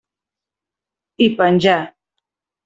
I penjà.